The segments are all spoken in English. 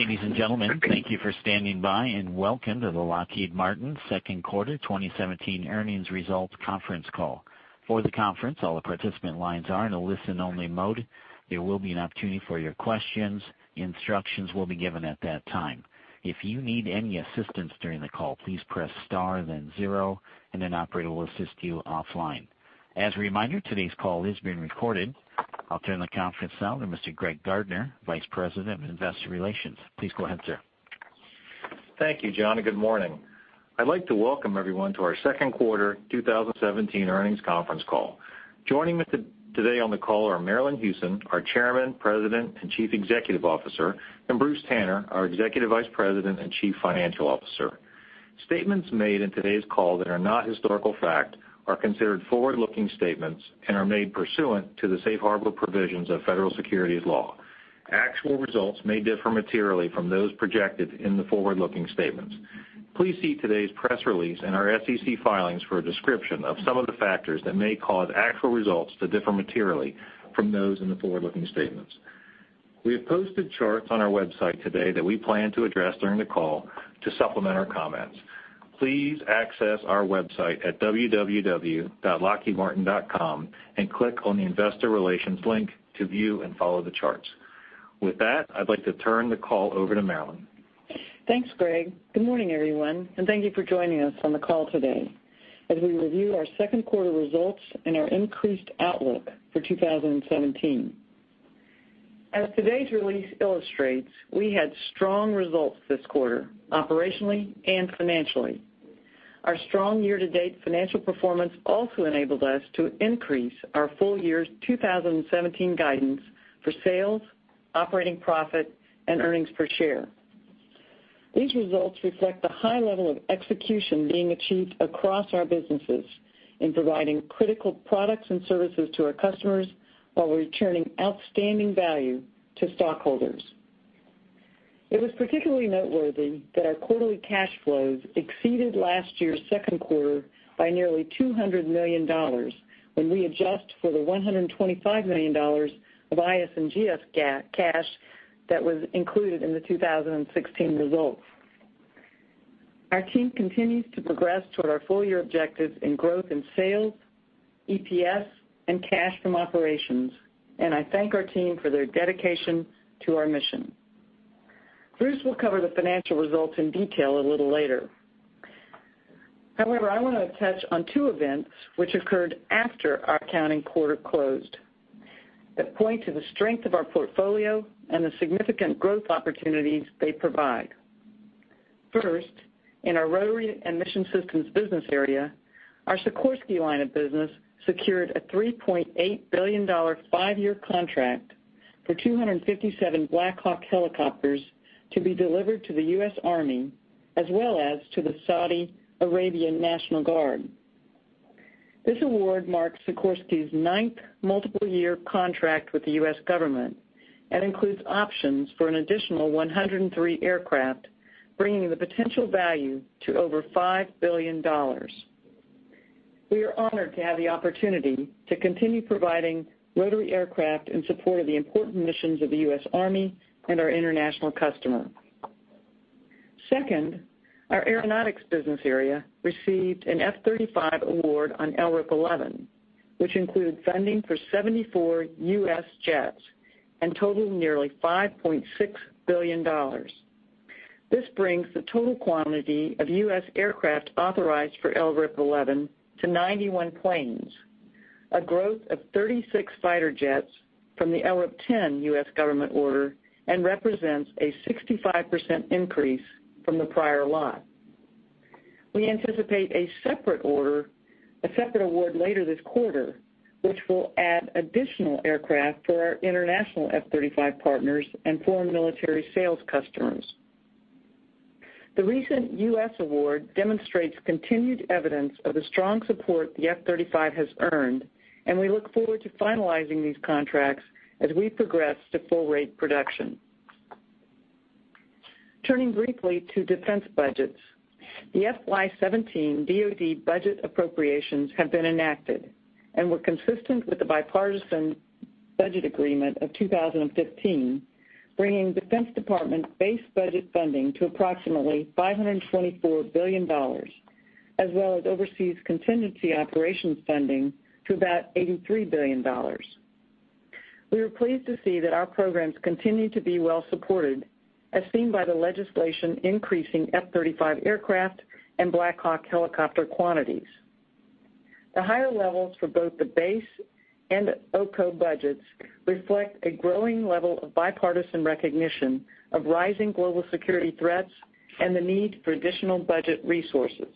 Ladies and gentlemen, thank you for standing by, and welcome to the Lockheed Martin second quarter 2017 earnings results conference call. For the conference, all the participant lines are in a listen-only mode. There will be an opportunity for your questions. Instructions will be given at that time. If you need any assistance during the call, please press star then zero, and an operator will assist you offline. As a reminder, today's call is being recorded. I'll turn the conference now to Mr. Greg Gardner, Vice President of Investor Relations. Please go ahead, sir. Thank you, John, and good morning. I'd like to welcome everyone to our second quarter 2017 earnings conference call. Joining me today on the call are Marillyn Hewson, our Chairman, President, and Chief Executive Officer, and Bruce Tanner, our Executive Vice President and Chief Financial Officer. Statements made in today's call that are not historical fact are considered forward-looking statements and are made pursuant to the safe harbor provisions of federal securities law. Actual results may differ materially from those projected in the forward-looking statements. Please see today's press release and our SEC filings for a description of some of the factors that may cause actual results to differ materially from those in the forward-looking statements. We have posted charts on our website today that we plan to address during the call to supplement our comments. Please access our website at www.lockheedmartin.com and click on the Investor Relations link to view and follow the charts. With that, I'd like to turn the call over to Marillyn. Thanks, Greg. Good morning, everyone, and thank you for joining us on the call today as we review our second quarter results and our increased outlook for 2017. As today's release illustrates, we had strong results this quarter, operationally and financially. Our strong year-to-date financial performance also enabled us to increase our full year's 2017 guidance for sales, operating profit, and earnings per share. These results reflect the high level of execution being achieved across our businesses in providing critical products and services to our customers while returning outstanding value to stockholders. It was particularly noteworthy that our quarterly cash flows exceeded last year's second quarter by nearly $200 million when we adjust for the $125 million of IS and GS cash that was included in the 2016 results. Our team continues to progress toward our full-year objectives in growth in sales, EPS, and cash from operations. I thank our team for their dedication to our mission. Bruce will cover the financial results in detail a little later. However, I want to touch on two events, which occurred after our accounting quarter closed that point to the strength of our portfolio and the significant growth opportunities they provide. First, in our Rotary and Mission Systems business area, our Sikorsky line of business secured a $3.8 billion five-year contract for 257 Black Hawk helicopters to be delivered to the U.S. Army, as well as to the Saudi Arabian National Guard. This award marks Sikorsky's ninth multiple-year contract with the U.S. government and includes options for an additional 103 aircraft, bringing the potential value to over $5 billion. We are honored to have the opportunity to continue providing rotary aircraft in support of the important missions of the U.S. Army and our international customer. Second, our Aeronautics business area received an F-35 award on LRIP 11, which includes funding for 74 U.S. jets and totaling nearly $5.6 billion. This brings the total quantity of U.S. aircraft authorized for LRIP 11 to 91 planes, a growth of 36 fighter jets from the LRIP 10 U.S. government order and represents a 65% increase from the prior lot. We anticipate a separate award later this quarter, which will add additional aircraft for our international F-35 partners and foreign military sales customers. The recent U.S. award demonstrates continued evidence of the strong support the F-35 has earned, and we look forward to finalizing these contracts as we progress to full-rate production. Turning briefly to defense budgets. The FY 2017 DoD budget appropriations have been enacted and were consistent with the Bipartisan Budget Act of 2015, bringing Department of Defense base budget funding to approximately $524 billion, as well as overseas contingency operations funding to about $83 billion. We were pleased to see that our programs continue to be well supported, as seen by the legislation increasing F-35 aircraft and Black Hawk helicopter quantities. The higher levels for both the base and OCO budgets reflect a growing level of bipartisan recognition of rising global security threats and the need for additional budget resources.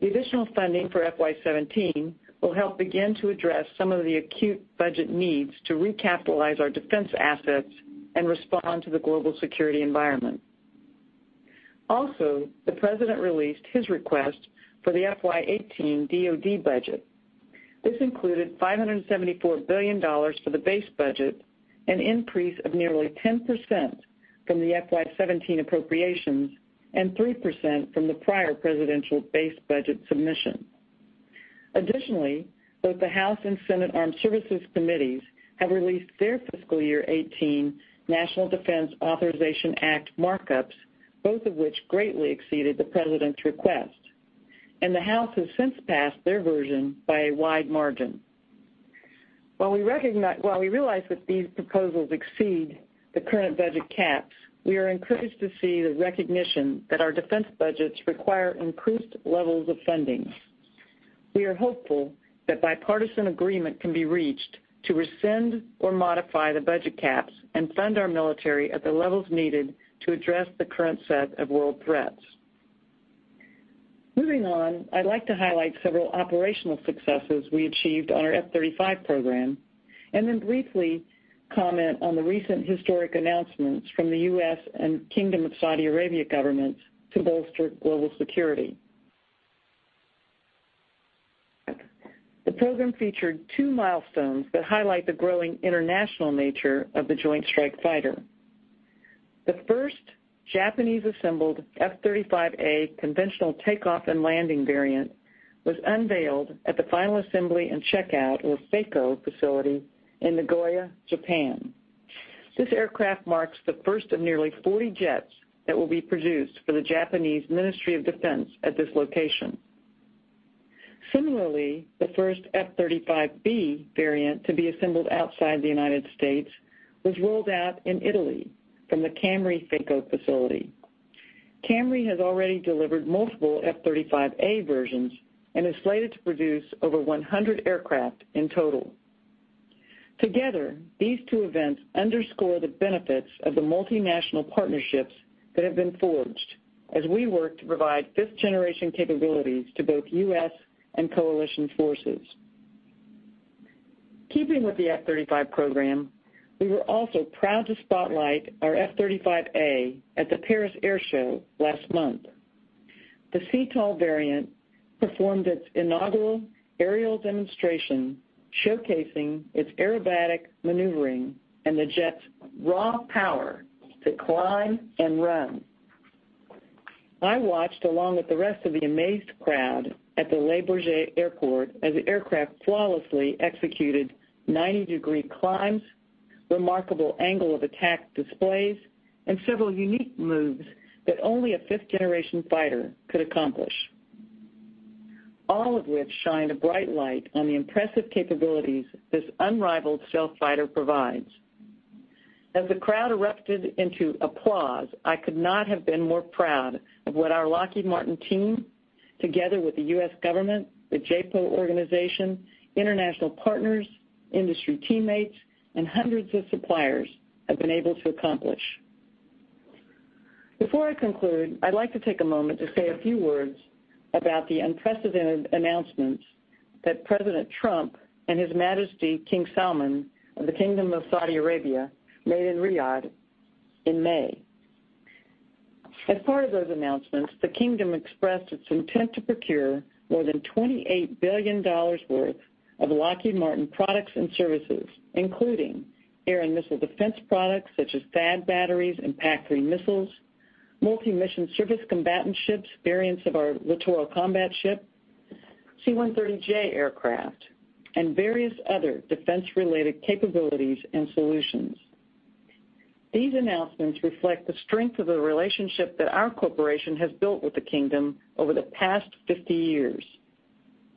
The additional funding for FY 2017 will help begin to address some of the acute budget needs to recapitalize our defense assets and respond to the global security environment. Also, the President released his request for the FY 2018 DoD budget. This included $574 billion for the base budget, an increase of nearly 10% from the FY 2017 appropriations and 3% from the prior presidential base budget submission. Additionally, both the House Armed Services Committee and Senate Armed Services Committee have released their fiscal year 2018 National Defense Authorization Act markups, both of which greatly exceeded the President's request. The House has since passed their version by a wide margin. While we realize that these proposals exceed the current budget caps, we are encouraged to see the recognition that our defense budgets require increased levels of funding. We are hopeful that bipartisan agreement can be reached to rescind or modify the budget caps and fund our military at the levels needed to address the current set of world threats. Moving on, I'd like to highlight several operational successes we achieved on our F-35 program, then briefly comment on the recent historic announcements from the U.S. and Kingdom of Saudi Arabia governments to bolster global security. The program featured two milestones that highlight the growing international nature of the joint strike fighter. The first Japanese assembled F-35A conventional takeoff and landing variant was unveiled at the final assembly and checkout or FACO facility in Nagoya, Japan. This aircraft marks the first of nearly 40 jets that will be produced for the Japan Ministry of Defense at this location. Similarly, the first F-35B variant to be assembled outside the United States was rolled out in Italy from the Cameri FACO facility. Cameri has already delivered multiple F-35A versions and is slated to produce over 100 aircraft in total. Together, these two events underscore the benefits of the multinational partnerships that have been forged as we work to provide fifth-generation capabilities to both U.S. and coalition forces. Keeping with the F-35 program, we were also proud to spotlight our F-35A at the Paris Air Show last month. The CTOL variant performed its inaugural aerial demonstration, showcasing its aerobatic maneuvering and the jet's raw power to climb and run. I watched along with the rest of the amazed crowd at the Le Bourget Airport as the aircraft flawlessly executed 90-degree climbs, remarkable angle of attack displays, and several unique moves that only a fifth-generation fighter could accomplish, all of which shined a bright light on the impressive capabilities this unrivaled stealth fighter provides. As the crowd erupted into applause, I could not have been more proud of what our Lockheed Martin team, together with the U.S. government, the JPO organization, international partners, industry teammates, and hundreds of suppliers have been able to accomplish. Before I conclude, I'd like to take a moment to say a few words about the unprecedented announcements that President Trump and His Majesty King Salman of the Kingdom of Saudi Arabia made in Riyadh in May. As part of those announcements, the kingdom expressed its intent to procure more than $28 billion worth of Lockheed Martin products and services, including air and missile defense products such as THAAD batteries and PAC-3 missiles, multi-mission surface combatant ships, variants of our Littoral Combat Ship, C-130J aircraft, and various other defense-related capabilities and solutions. These announcements reflect the strength of the relationship that our corporation has built with the kingdom over the past 50 years.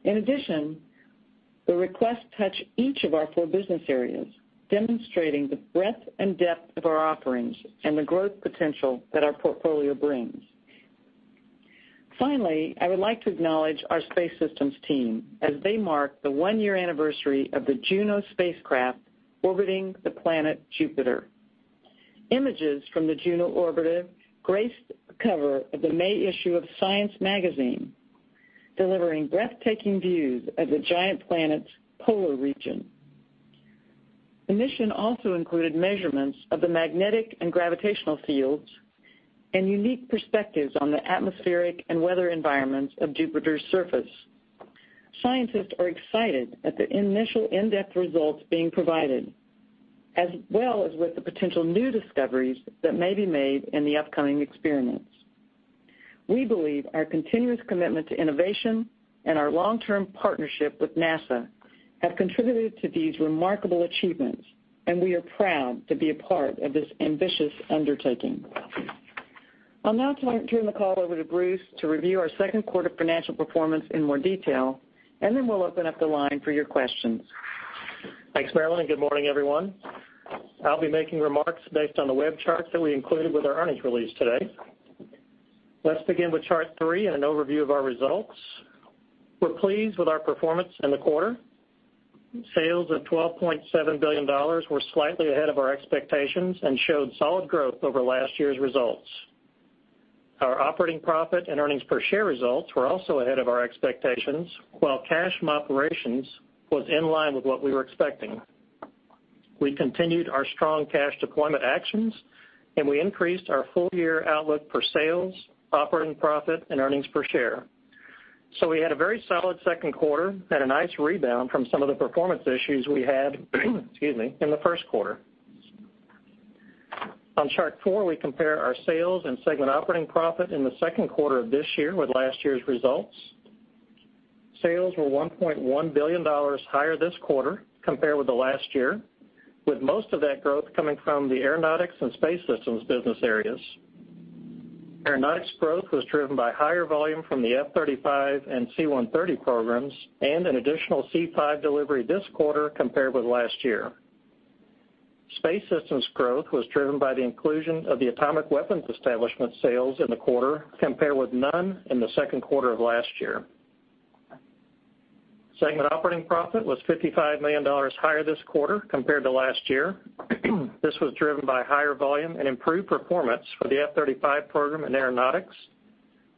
In addition, the requests touch each of our four business areas, demonstrating the breadth and depth of our offerings and the growth potential that our portfolio brings. Finally, I would like to acknowledge our space systems team as they mark the one-year anniversary of the Juno spacecraft orbiting the planet Jupiter. Images from the Juno orbiter graced the cover of the May issue of Science magazine, delivering breathtaking views of the giant planet's polar region. The mission also included measurements of the magnetic and gravitational fields and unique perspectives on the atmospheric and weather environments of Jupiter's surface. Scientists are excited at the initial in-depth results being provided, as well as with the potential new discoveries that may be made in the upcoming experiments. We believe our continuous commitment to innovation and our long-term partnership with NASA have contributed to these remarkable achievements. We are proud to be a part of this ambitious undertaking. I'll now turn the call over to Bruce to review our second quarter financial performance in more detail. Then we'll open up the line for your questions. Thanks, Marillyn. Good morning, everyone. I'll be making remarks based on the web charts that we included with our earnings release today. Let's begin with chart three and an overview of our results. We're pleased with our performance in the quarter. Sales of $12.7 billion were slightly ahead of our expectations and showed solid growth over last year's results. Our operating profit and earnings per share results were also ahead of our expectations, while cash from operations was in line with what we were expecting. We continued our strong cash deployment actions. We increased our full-year outlook for sales, operating profit, and earnings per share. We had a very solid second quarter and a nice rebound from some of the performance issues we had, excuse me, in the first quarter. On Chart four, we compare our sales and segment operating profit in the second quarter of this year with last year's results. Sales were $1.1 billion higher this quarter compared with last year, with most of that growth coming from the Aeronautics and Space Systems business areas. Aeronautics growth was driven by higher volume from the F-35 and C-130 programs and an additional C-5 delivery this quarter compared with last year. Space Systems growth was driven by the inclusion of the Atomic Weapons Establishment sales in the quarter, compared with none in the second quarter of last year. Segment operating profit was $55 million higher this quarter compared to last year. This was driven by higher volume and improved performance for the F-35 program in Aeronautics,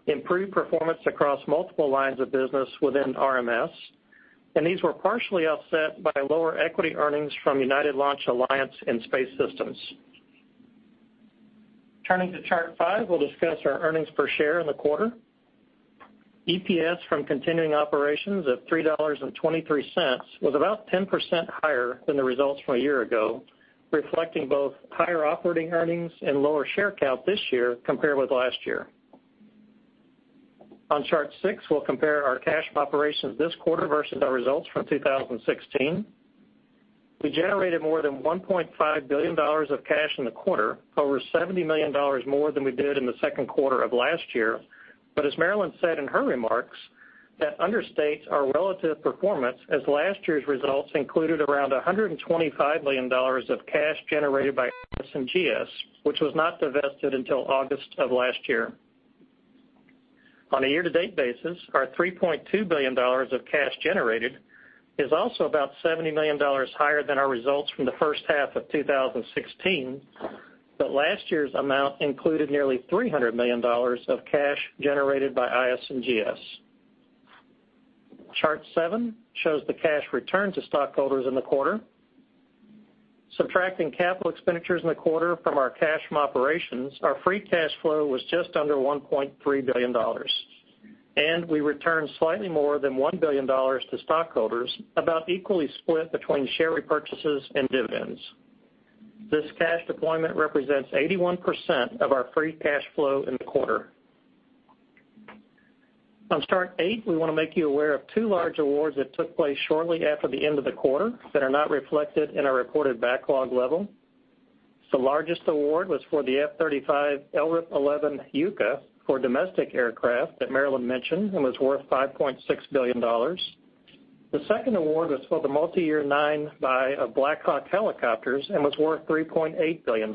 improved performance across multiple lines of business within RMS. These were partially offset by lower equity earnings from United Launch Alliance in Space Systems. Turning to Chart five, we'll discuss our earnings per share in the quarter. EPS from continuing operations of $3.23 was about 10% higher than the results from a year ago, reflecting both higher operating earnings and lower share count this year compared with last year. On Chart six, we'll compare our cash from operations this quarter versus our results from 2016. We generated more than $1.5 billion of cash in the quarter, over $70 million more than we did in the second quarter of last year. As Marillyn said in her remarks, that understates our relative performance as last year's results included around $125 million of cash generated by IS and GS, which was not divested until August of last year. On a year-to-date basis, our $3.2 billion of cash generated is also about $70 million higher than our results from the first half of 2016, but last year's amount included nearly $300 million of cash generated by IS and GS. Chart 7 shows the cash returned to stockholders in the quarter. Subtracting capital expenditures in the quarter from our cash from operations, our free cash flow was just under $1.3 billion. We returned slightly more than $1 billion to stockholders, about equally split between share repurchases and dividends. This cash deployment represents 81% of our free cash flow in the quarter. On Chart 8, we want to make you aware of two large awards that took place shortly after the end of the quarter that are not reflected in our reported backlog level. The largest award was for the F-35 LRIP 11 UCA for domestic aircraft that Marillyn mentioned and was worth $5.6 billion. The second award was for the Multi-Year IX buy of Black Hawk helicopters and was worth $3.8 billion.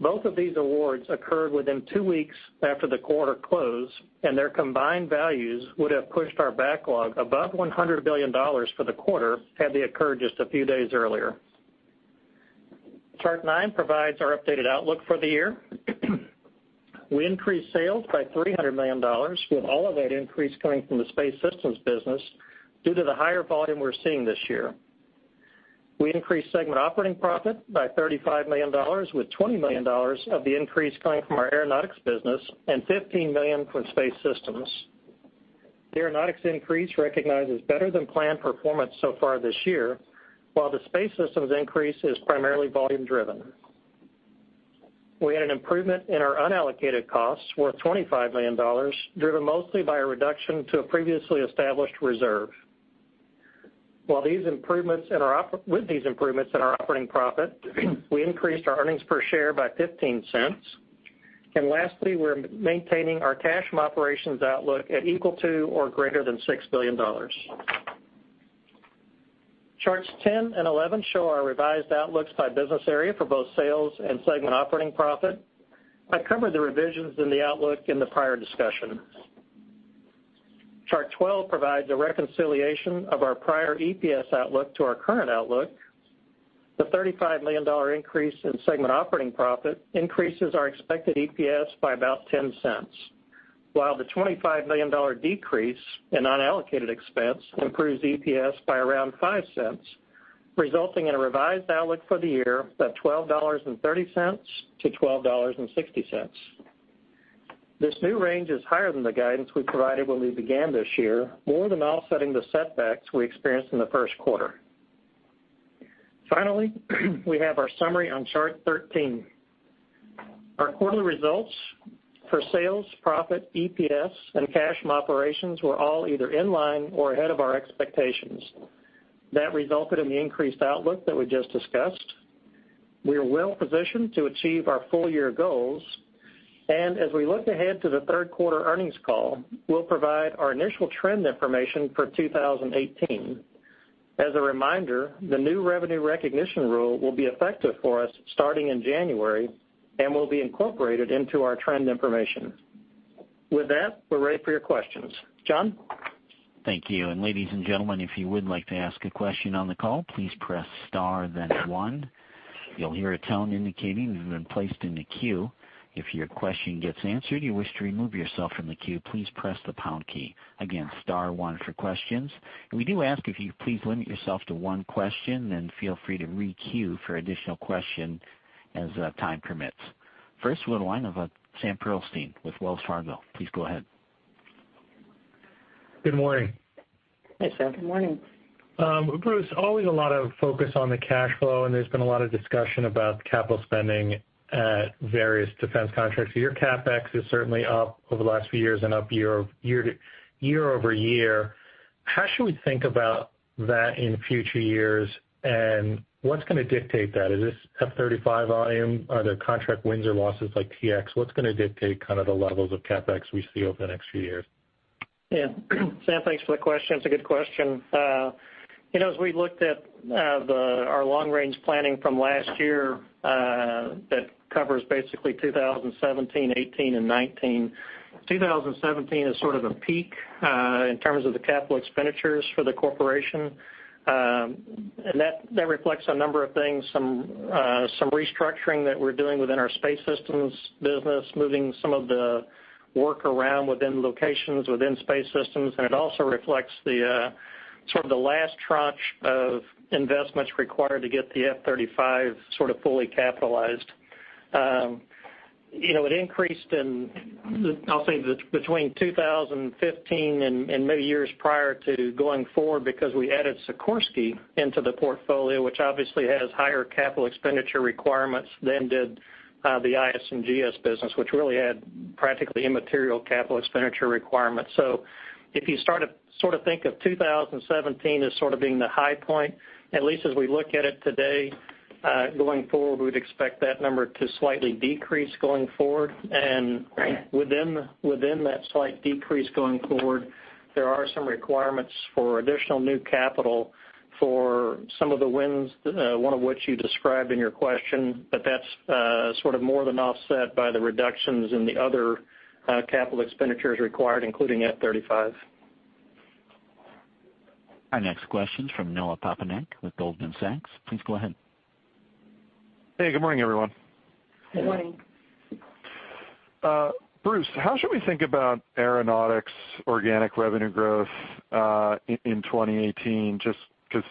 Both of these awards occurred within two weeks after the quarter close, and their combined values would have pushed our backlog above $100 billion for the quarter had they occurred just a few days earlier. Chart 9 provides our updated outlook for the year. We increased sales by $300 million, with all of that increase coming from the Space Systems business due to the higher volume we're seeing this year. We increased segment operating profit by $35 million, with $20 million of the increase coming from our Aeronautics business and $15 million from Space Systems. The Aeronautics increase recognizes better-than-planned performance so far this year, while the Space Systems increase is primarily volume driven. We had an improvement in our unallocated costs worth $25 million, driven mostly by a reduction to a previously established reserve. With these improvements in our operating profit, we increased our earnings per share by $0.15. Lastly, we're maintaining our cash from operations outlook at equal to or greater than $6 billion. Charts 10 and 11 show our revised outlooks by business area for both sales and segment operating profit. I covered the revisions in the outlook in the prior discussion. Chart 12 provides a reconciliation of our prior EPS outlook to our current outlook. The $35 million increase in segment operating profit increases our expected EPS by about $0.10, while the $25 million decrease in unallocated expense improves EPS by around $0.05, resulting in a revised outlook for the year of $12.30 to $12.60. This new range is higher than the guidance we provided when we began this year, more than offsetting the setbacks we experienced in the first quarter. We have our summary on Chart 13. Our quarterly results for sales, profit, EPS, and cash from operations were all either in line or ahead of our expectations. That resulted in the increased outlook that we just discussed. We are well positioned to achieve our full-year goals. As we look ahead to the third quarter earnings call, we'll provide our initial trend information for 2018. As a reminder, the new Revenue Recognition rule will be effective for us starting in January and will be incorporated into our trend information. With that, we're ready for your questions. John? Thank you. Ladies and gentlemen, if you would like to ask a question on the call, please press star, then one. You'll hear a tone indicating you've been placed in the queue. If your question gets answered, you wish to remove yourself from the queue, please press the pound key. Again, star one for questions. We do ask if you please limit yourself to one question, then feel free to re-queue for additional question as time permits. First we have the line of Samuel Pearlstein with Wells Fargo. Please go ahead. Good morning. Hey, Sam. Good morning. Bruce, always a lot of focus on the cash flow. There's been a lot of discussion about capital spending at various defense contracts. Your CapEx is certainly up over the last few years and up year-over-year. How should we think about that in future years, and what's going to dictate that? Is this F-35 volume? Are there contract wins or losses like T-X? What's going to dictate kind of the levels of CapEx we see over the next few years? Sam, thanks for the question. It's a good question. As we looked at our long-range planning from last year, that covers basically 2017, 2018, and 2019. 2017 is sort of a peak in terms of the capital expenditures for the corporation. That reflects a number of things, some restructuring that we're doing within our Space Systems business, moving some of the work around within locations within Space Systems. It also reflects the sort of the last tranche of investments required to get the F-35 sort of fully capitalized. It increased in, I'll say, between 2015 and maybe years prior to going forward because we added Sikorsky into the portfolio, which obviously has higher capital expenditure requirements than did the IS&GS business, which really had practically immaterial capital expenditure requirements. If you start to sort of think of 2017 as sort of being the high point, at least as we look at it today, going forward, we would expect that number to slightly decrease going forward. Within that slight decrease going forward, there are some requirements for additional new capital for some of the wins, one of which you described in your question. That's sort of more than offset by the reductions in the other capital expenditures required, including F-35. Our next question's from Noah Poponak with Goldman Sachs. Please go ahead. Hey, good morning, everyone. Good morning. Bruce, how should we think about Aeronautics organic revenue growth in 2018? Because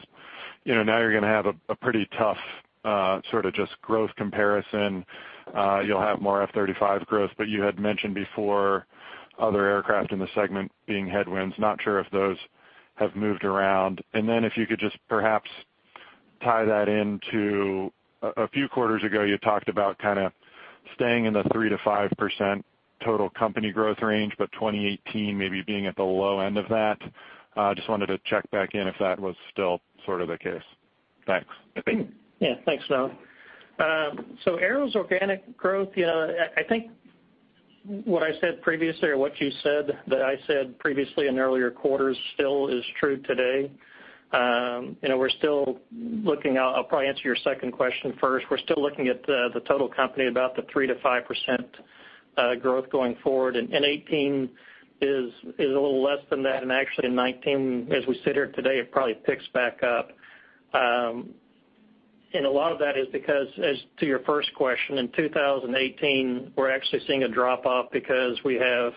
now you're going to have a pretty tough sort of just growth comparison. You'll have more F-35 growth, but you had mentioned before other aircraft in the segment being headwinds. Not sure if those have moved around. If you could just perhaps tie that into a few quarters ago, you talked about kind of staying in the 3%-5% total company growth range, but 2018 maybe being at the low end of that. Just wanted to check back in if that was still sort of the case. Thanks. Yeah. Thanks, Noah. Aero's organic growth, I think what I said previously, or what you said that I said previously in earlier quarters still is true today. I'll probably answer your second question first. We're still looking at the total company about the 3%-5% growth going forward. 2018 is a little less than that, actually in 2019, as we sit here today, it probably picks back up. A lot of that is because, as to your first question, in 2018, we're actually seeing a drop-off because we have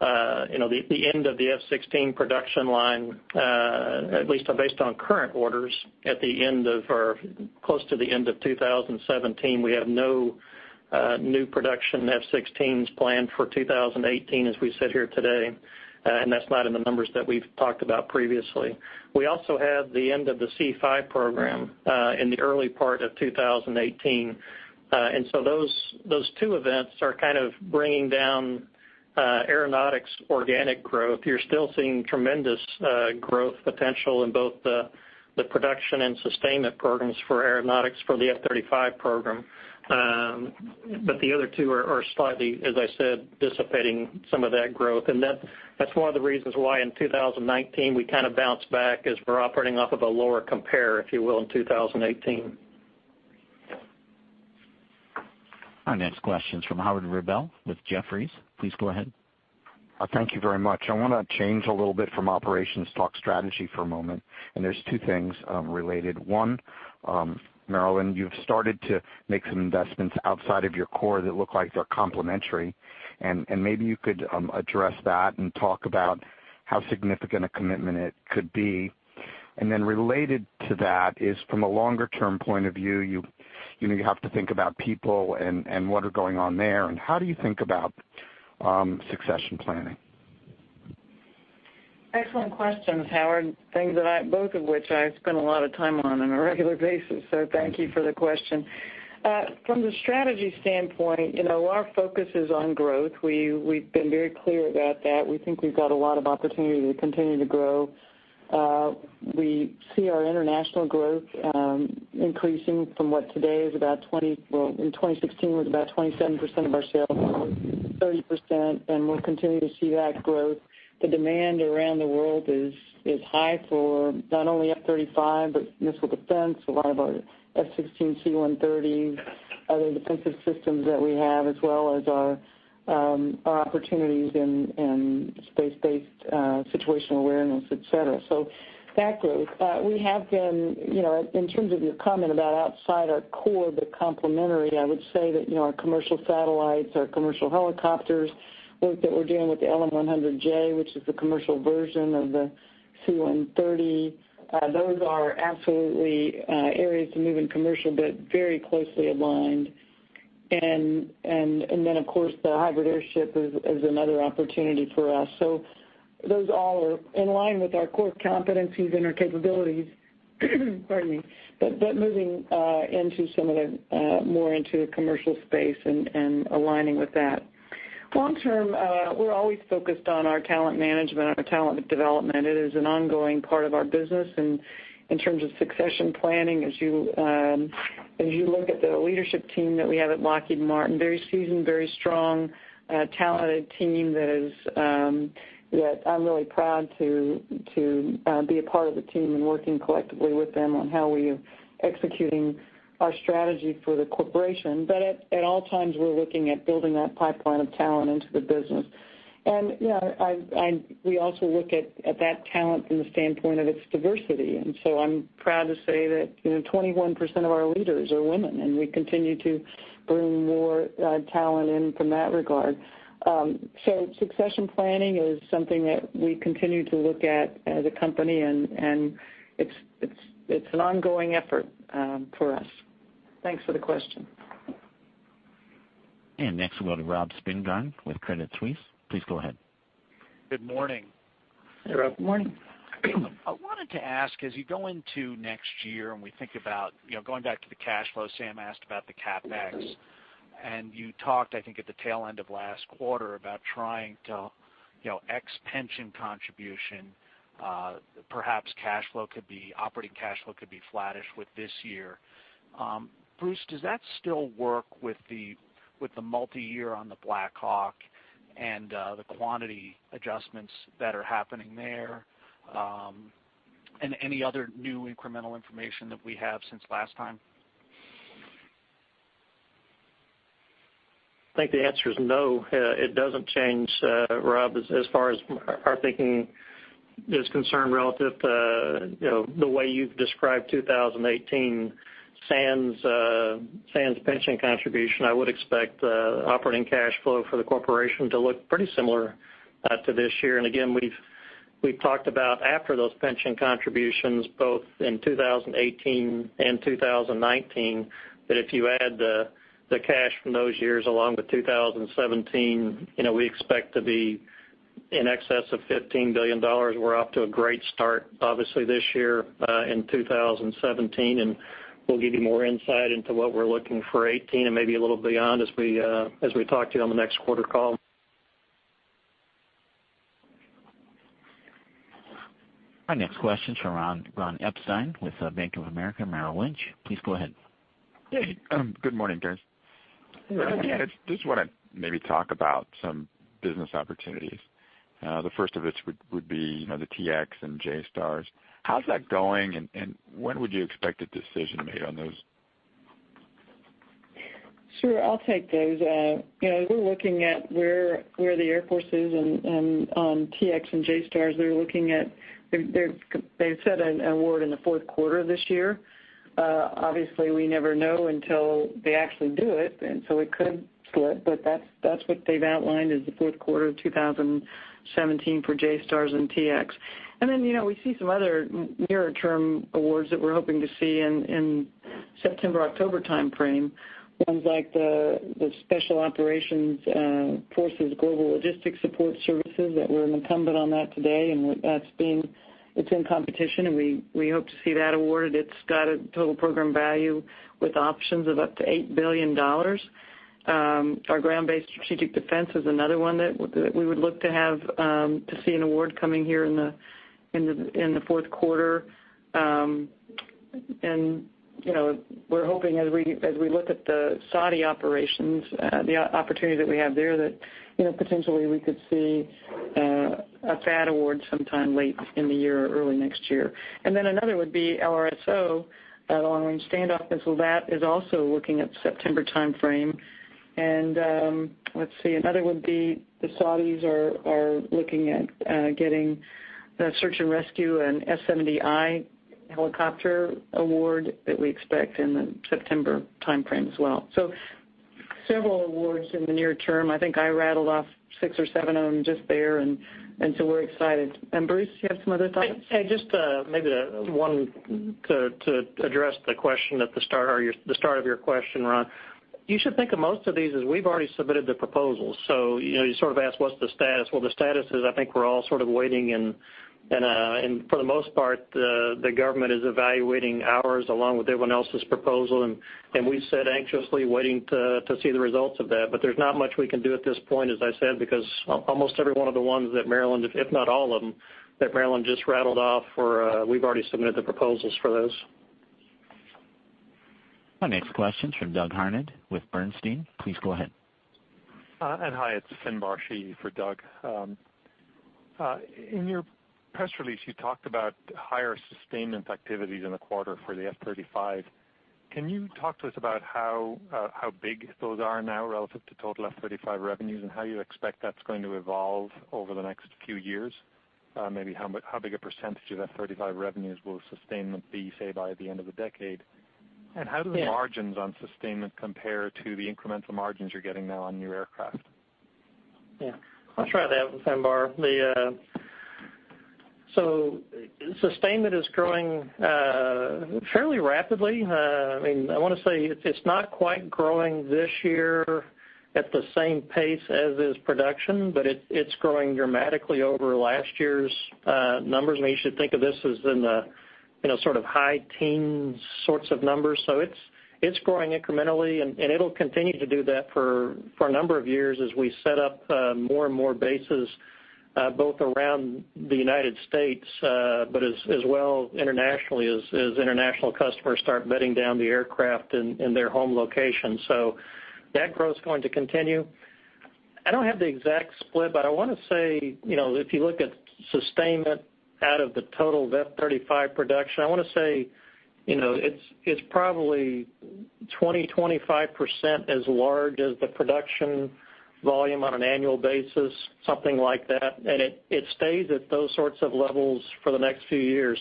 the end of the F-16 production line, at least based on current orders at close to the end of 2017. We have no new production F-16s planned for 2018 as we sit here today. That's not in the numbers that we've talked about previously. We also have the end of the C-5 program, in the early part of 2018. Those two events are kind of bringing down Aeronautics organic growth. You're still seeing tremendous growth potential in both the production and sustainment programs for Aeronautics for the F-35 program. The other two are slightly, as I said, dissipating some of that growth. That's one of the reasons why in 2019, we kind of bounce back as we're operating off of a lower compare, if you will, in 2018. Our next question's from Howard Rubel with Jefferies. Please go ahead. Thank you very much. I want to change a little bit from operations, talk strategy for a moment. There's two things related. One, Marillyn, you've started to make some investments outside of your core that look like they're complementary. Maybe you could address that and talk about how significant a commitment it could be. Then related to that is from a longer-term point of view, you have to think about people and what are going on there, and how do you think about succession planning? Excellent questions, Howard. Both of which I've spent a lot of time on a regular basis. Thank you for the question. From the strategy standpoint, our focus is on growth. We've been very clear about that. We think we've got a lot of opportunity to continue to grow. We see our international growth increasing from what today in 2016 was about 27% of our sales, 30%, we'll continue to see that growth. The demand around the world is high for not only F-35, but missile defense, a lot of our F-16, C-130, other defensive systems that we have, as well as our opportunities in space-based situational awareness, et cetera. That growth. In terms of your comment about outside our core, but complementary, I would say that our commercial satellites, our commercial helicopters, work that we're doing with the LM-100J, which is the commercial version of the C-130, those are absolutely areas to move in commercial, but very closely aligned. The hybrid airship is another opportunity for us. Those all are in line with our core competencies and our capabilities. Pardon me. Moving more into the commercial space and aligning with that. Long term, we're always focused on our talent management, on our talent development. It is an ongoing part of our business. In terms of succession planning, as you look at the leadership team that we have at Lockheed Martin, very seasoned, very strong, a talented team that I'm really proud to be a part of the team and working collectively with them on how we are executing our strategy for the corporation. At all times, we're looking at building that pipeline of talent into the business. We also look at that talent from the standpoint of its diversity. I'm proud to say that 21% of our leaders are women, and we continue to bring more talent in from that regard. Succession planning is something that we continue to look at as a company, and it's an ongoing effort for us. Thanks for the question. Next we'll go to Robert Spingarn with Credit Suisse. Please go ahead. Good morning. Hey, Rob. Good morning. I wanted to ask, as you go into next year and we think about going back to the cash flow, Sam asked about the CapEx, and you talked, I think, at the tail end of last quarter about trying to ex pension contribution, perhaps operating cash flow could be flattish with this year. Bruce, does that still work with the multi-year on the Black Hawk and the quantity adjustments that are happening there, and any other new incremental information that we have since last time? I think the answer is no. It doesn't change, Rob, as far as our thinking is concerned relative to the way you've described 2018 sans pension contribution. I would expect operating cash flow for the corporation to look pretty similar to this year. Again, we've talked about after those pension contributions, both in 2018 and 2019, that if you add the cash from those years along with 2017, we expect to be in excess of $15 billion. We're off to a great start, obviously this year, in 2017, and we'll give you more insight into what we're looking for 2018 and maybe a little beyond as we talk to you on the next quarter call. Our next question's from Ronald Epstein with Bank of America Merrill Lynch. Please go ahead. Good morning, guys. Good morning. Just want to maybe talk about some business opportunities. The first of which would be the T-X and JSTARS. How's that going, when would you expect a decision made on those? Sure. I'll take those. We're looking at where the Air Force is on T-X and JSTARS. They've said an award in the fourth quarter of this year. Obviously, we never know until they actually do it, so it could slip, that's what they've outlined is the fourth quarter of 2017 for JSTARS and T-X. Then, we see some other nearer-term awards that we're hoping to see in September, October timeframe. Ones like the Special Operations Forces Global Logistics Support Services that we're an incumbent on that today, it's in competition, we hope to see that awarded. It's got a total program value with options of up to $8 billion. Our Ground-based Strategic Deterrent is another one that we would look to see an award coming here in the fourth quarter. We're hoping as we look at the Saudi operations, the opportunity that we have there, that potentially we could see a FAAD award sometime late in the year or early next year. Then another would be LRSO, long-range standoff missile. That is also looking at September timeframe. Let's see, another would be the Saudis are looking at getting a search and rescue and S-70i helicopter award that we expect in the September timeframe as well. Several awards in the near term. I think I rattled off six or seven of them just there, we're excited. Bruce, you have some other thoughts? Hey, just maybe one to address the question at the start, or the start of your question, Ron. You should think of most of these as we've already submitted the proposals. You sort of asked what's the status. The status is, I think we're all sort of waiting and for the most part, the government is evaluating ours along with everyone else's proposal, and we sit anxiously waiting to see the results of that. There's not much we can do at this point, as I said, because almost every one of the ones that Marillyn, if not all of them, that Marillyn just rattled off, we've already submitted the proposals for those. Our next question's from Douglas Harned with Bernstein. Please go ahead. Hi, it's Finbar Sheehy for Doug. In your press release, you talked about higher sustainment activities in the quarter for the F-35. Can you talk to us about how big those are now relative to total F-35 revenues and how you expect that's going to evolve over the next few years? Maybe how big a percentage of F-35 revenues will sustainment be, say by the end of the decade? How do the margins on sustainment compare to the incremental margins you're getting now on new aircraft? Yeah. I'll try that one, Finbar. The sustainment is growing fairly rapidly. I want to say it's not quite growing this year at the same pace as is production, but it's growing dramatically over last year's numbers. Maybe you should think of this as in the sort of high teen sorts of numbers. It's growing incrementally, and it'll continue to do that for a number of years as we set up more and more bases, both around the U.S., but as well internationally as international customers start bedding down the aircraft in their home location. That growth's going to continue. I don't have the exact split, but I want to say, if you look at sustainment out of the total F-35 production, I want to say it's probably 20%-25% as large as the production volume on an annual basis, something like that. It stays at those sorts of levels for the next few years.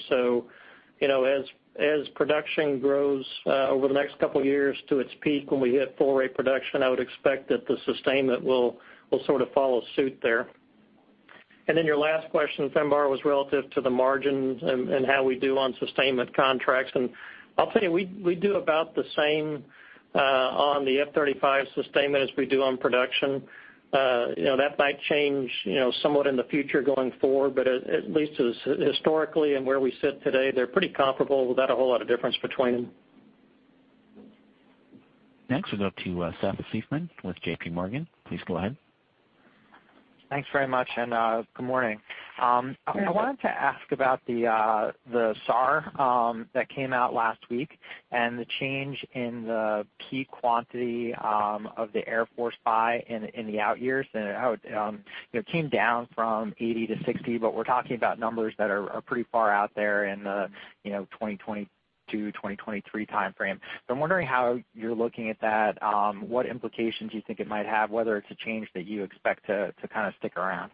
As production grows over the next couple of years to its peak when we hit full rate production, I would expect that the sustainment will sort of follow suit there. Your last question, Finbar, was relative to the margins and how we do on sustainment contracts. I'll tell you, we do about the same on the F-35 sustainment as we do on production. That might change somewhat in the future going forward, but at least as historically and where we sit today, they're pretty comparable without a whole lot of difference between them. Next we'll go to Seth Seifman with JPMorgan. Please go ahead. Thanks very much, and good morning. I wanted to ask about the SAR that came out last week and the change in the peak quantity of the Air Force buy in the out years. It came down from 80 to 60, but we're talking about numbers that are pretty far out there in the 2022, 2023 timeframe. I'm wondering how you're looking at that. What implications you think it might have, whether it's a change that you expect to kind of stick around?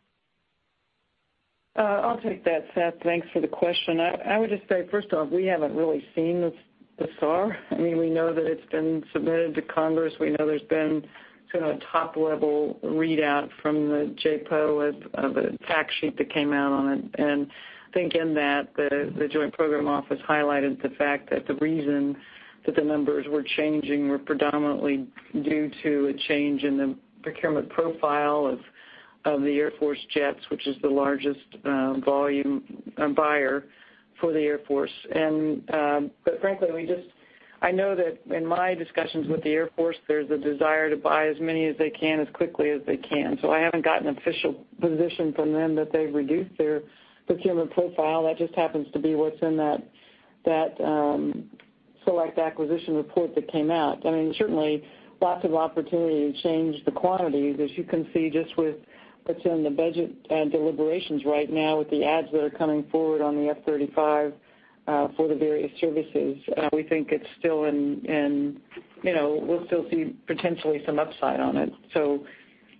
I'll take that, Seth. Thanks for the question. I would just say, first off, we haven't really seen the SAR. We know that it's been submitted to Congress. We know there's been sort of a top-level readout from the JPO of a fact sheet that came out on it. I think in that, the Joint Program Office highlighted the fact that the reason that the numbers were changing were predominantly due to a change in the procurement profile of the Air Force jets, which is the largest volume buyer for the Air Force. Frankly, I know that in my discussions with the Air Force, there's a desire to buy as many as they can, as quickly as they can. I haven't got an official position from them that they've reduced their procurement profile. That just happens to be what's in that select acquisition report that came out. Certainly, lots of opportunity to change the quantities, as you can see just with what's in the budget and deliberations right now with the ads that are coming forward on the F-35 for the various services. We think we'll still see potentially some upside on it.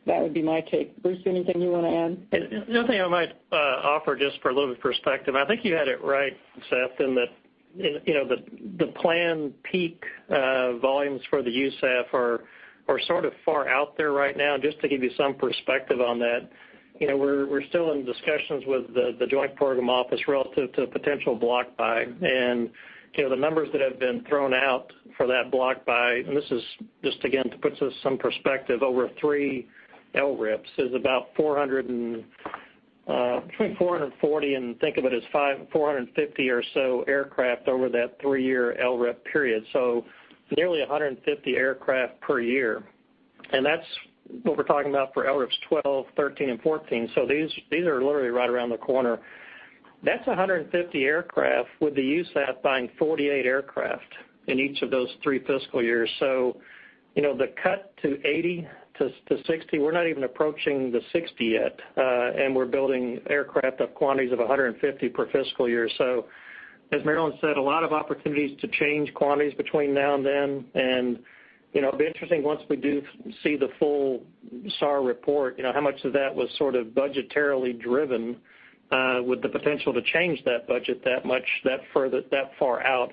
That would be my take. Bruce, anything you want to add? The only thing I might offer, just for a little bit of perspective, I think you had it right, Seth, in that the planned peak volumes for the USAF are sort of far out there right now. Just to give you some perspective on that, we're still in discussions with the Joint Program Office relative to potential block buy. The numbers that have been thrown out for that block buy, and this is just again, to put this in some perspective, over three LRIPs, is about between 440 and think of it as 450 or so aircraft over that three-year LRIP period. Nearly 150 aircraft per year. That's what we're talking about for LRIPs 12, 13, and 14. These are literally right around the corner. That's 150 aircraft with the USAF buying 48 aircraft in each of those three fiscal years. The cut to 80 to 60, we're not even approaching the 60 yet. We're building aircraft of quantities of 150 per fiscal year. As Marillyn said, a lot of opportunities to change quantities between now and then. It'll be interesting once we do see the full SAR report, how much of that was sort of budgetarily driven, with the potential to change that budget that far out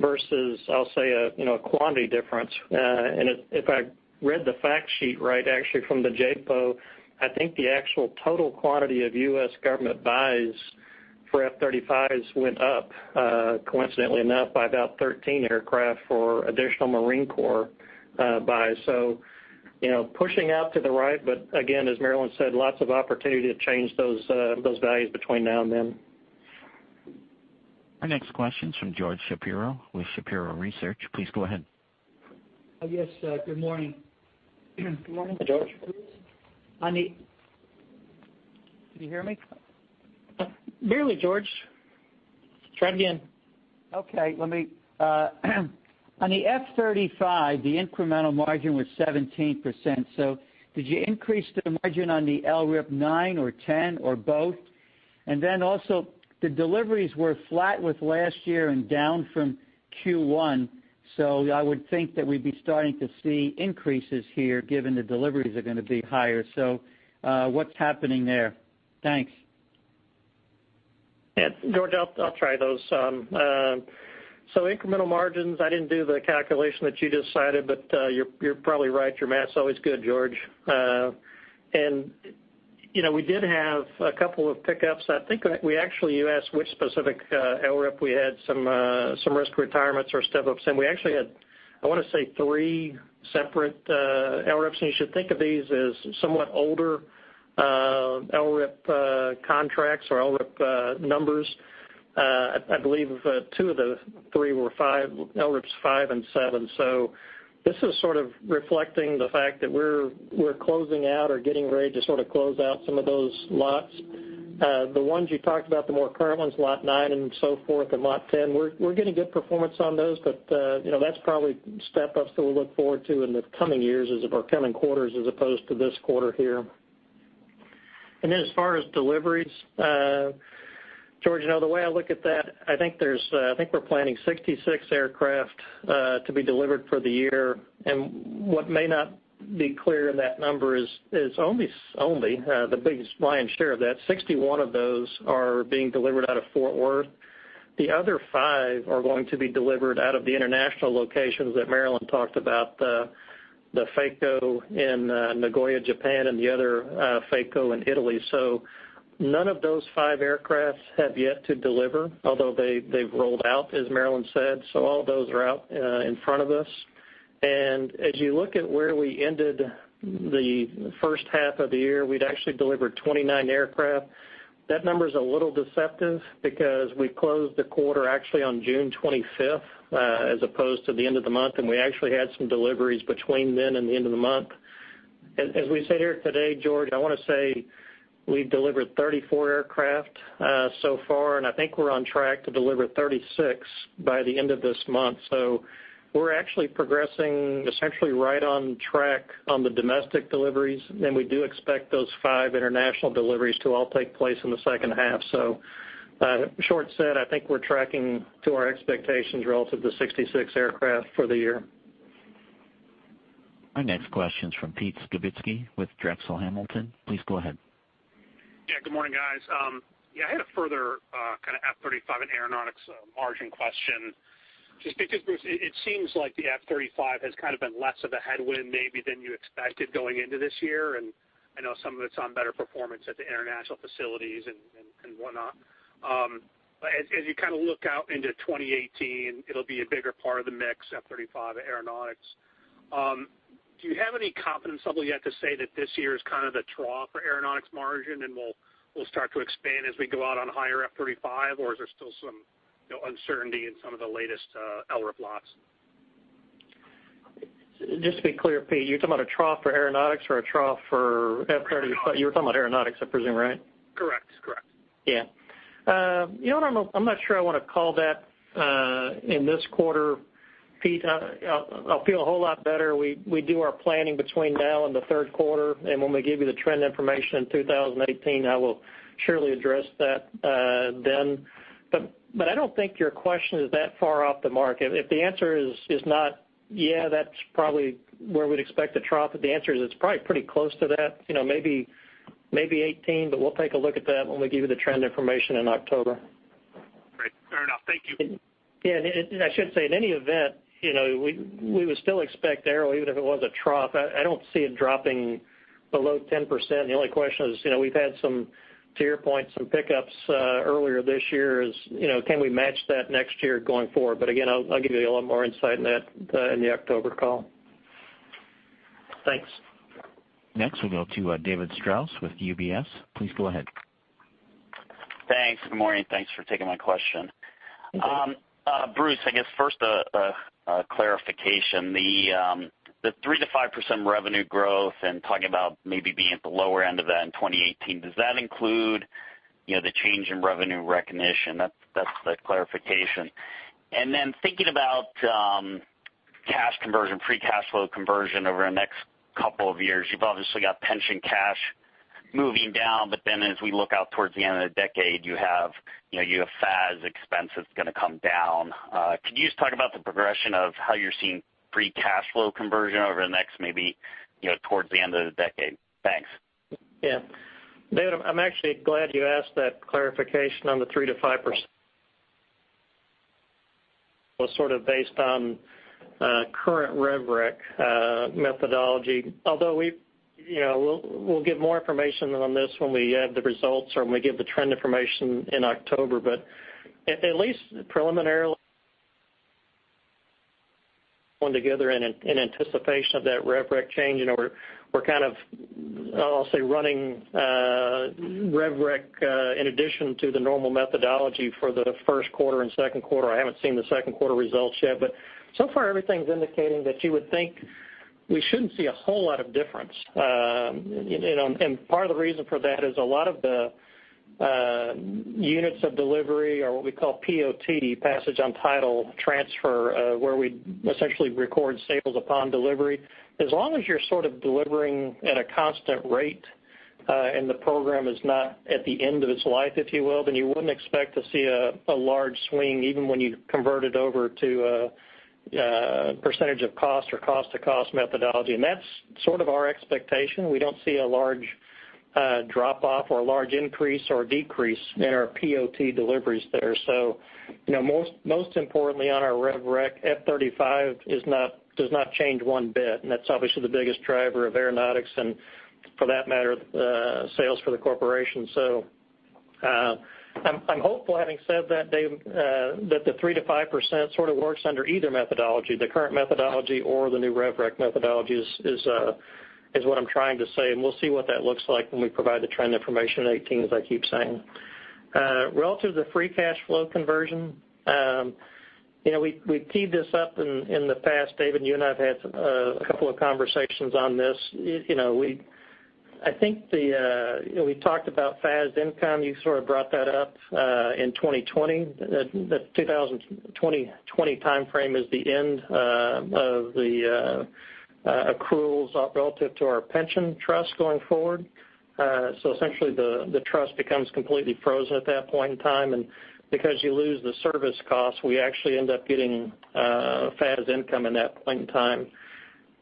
versus, I'll say, a quantity difference. If I read the fact sheet right, actually from the JPO, I think the actual total quantity of U.S. government buys for F-35s went up, coincidentally enough, by about 13 aircraft for additional Marine Corps buys. Pushing out to the right, but again, as Marillyn said, lots of opportunity to change those values between now and then. Our next question's from George Shapiro with Shapiro Research. Please go ahead. Yes, good morning. Good morning, George. Can you hear me? Barely, George. Try it again. Okay. On the F-35, the incremental margin was 17%. Did you increase the margin on the LRIP 9 or 10, or both? Also, the deliveries were flat with last year and down from Q1. I would think that we'd be starting to see increases here given the deliveries are going to be higher. What's happening there? Thanks. Yeah. George, I'll try those. Incremental margins, I didn't do the calculation that you just cited, but you're probably right. Your math's always good, George. We did have a couple of pick-ups. I think you asked which specific LRIP we had some risk retirements or step-ups. We actually had, I want to say, three separate LRIPs, and you should think of these as somewhat older LRIP contracts or LRIP numbers. I believe two of the three were LRIPs five and seven. This is sort of reflecting the fact that we're closing out or getting ready to sort of close out some of those lots. The ones you talked about, the more current ones, lot nine and so forth, and lot 10, we're getting good performance on those, but that's probably step-ups that we'll look forward to in the coming years or coming quarters as opposed to this quarter here. As far as deliveries, George, the way I look at that, I think we're planning 66 aircraft to be delivered for the year. What may not be clear in that number is only the biggest lion's share of that, 61 of those are being delivered out of Fort Worth. The other five are going to be delivered out of the international locations that Marillyn talked about, the FACO in Nagoya, Japan, and the other FACO in Italy. None of those five aircrafts have yet to deliver, although they've rolled out, as Marillyn said. All of those are out in front of us. As you look at where we ended the first half of the year, we'd actually delivered 29 aircraft. That number's a little deceptive because we closed the quarter actually on June 25th as opposed to the end of the month, and we actually had some deliveries between then and the end of the month. As we sit here today, George, I want to say we've delivered 34 aircraft so far, and I think we're on track to deliver 36 by the end of this month. We're actually progressing essentially right on track on the domestic deliveries. We do expect those five international deliveries to all take place in the second half. Short said, I think we're tracking to our expectations relative to 66 aircraft for the year. Our next question's from Peter Skibitski with Drexel Hamilton. Please go ahead. Good morning, guys. I had a further kind of F-35 and aeronautics margin question. Because, Bruce, it seems like the F-35 has kind of been less of a headwind maybe than you expected going into this year. I know some of it's on better performance at the international facilities and whatnot. As you kind of look out into 2018, it'll be a bigger part of the mix, F-35 aeronautics. Do you have any confidence level yet to say that this year is kind of the trough for aeronautics margin, and we'll start to expand as we go out on higher F-35? Or is there still some uncertainty in some of the latest LRIP lots? To be clear, Pete, you're talking about a trough for aeronautics or a trough for F-35? You're talking about aeronautics, I presume, right? Correct. I'm not sure I want to call that in this quarter, Pete. I'll feel a whole lot better. We do our planning between now and the third quarter, and when we give you the trend information in 2018, I will surely address that then. I don't think your question is that far off the mark. If the answer is not, yeah, that's probably where we'd expect the trough, the answer is it's probably pretty close to that. Maybe 2018, we'll take a look at that when we give you the trend information in October. Great. Fair enough. Thank you. I should say, in any event, we would still expect Aeronautics, even if it was a trough, I don't see it dropping below 10%. The only question is we've had, to your point, some pickups earlier this year. Can we match that next year going forward? Again, I'll give you a little more insight on that in the October call. Thanks. Next, we'll go to David Strauss with UBS. Please go ahead. Thanks. Good morning. Thanks for taking my question. Bruce, I guess first a clarification. The 3%-5% revenue growth and talking about maybe being at the lower end of that in 2018, does that include the change in Revenue Recognition? That's the clarification. Then thinking about cash conversion, free cash flow conversion over the next couple of years, you've obviously got pension cash moving down, then as we look out towards the end of the decade, you have FAS expense that's going to come down. Could you just talk about the progression of how you're seeing free cash flow conversion over the next maybe towards the end of the decade? Thanks. Yeah. David, I'm actually glad you asked that clarification on the 3%-5%. Well, sort of based on current Revenue Recognition methodology. Although we'll get more information on this when we have the results or when we give the trend information in October. At least preliminarily together in anticipation of that Revenue Recognition change, we're kind of, I'll say, running Revenue Recognition in addition to the normal methodology for the first quarter and second quarter. I haven't seen the second quarter results yet, but so far everything's indicating that you would think we shouldn't see a whole lot of difference. Part of the reason for that is a lot of the units of delivery are what we call POT, passage on title transfer, where we essentially record sales upon delivery. As long as you're sort of delivering at a constant rate, and the program is not at the end of its life, if you will, then you wouldn't expect to see a large swing even when you convert it over to a percentage of cost or cost to cost methodology. That's sort of our expectation. We don't see a large drop off or a large increase or decrease in our POT deliveries there. Most importantly on our Revenue Recognition, F-35 does not change one bit, and that's obviously the biggest driver of Aeronautics, and for that matter, sales for the corporation. I'm hopeful, having said that, Dave, that the 3%-5% sort of works under either methodology, the current methodology or the new Revenue Recognition methodology is what I'm trying to say. We'll see what that looks like when we provide the trend information in 2018, as I keep saying. Relative to the free cash flow conversion, we've teed this up in the past, Dave, and you and I have had a couple of conversations on this. We talked about FAS income. You sort of brought that up in 2020. The 2020 timeframe is the end of the accruals relative to our pension trust going forward. Essentially, the trust becomes completely frozen at that point in time. Because you lose the service cost, we actually end up getting FAS income in that point in time.